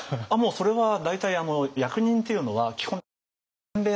それは大体役人っていうのは基本的に前例の延長。